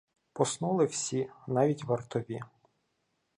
Поснули всі, навіть вартові.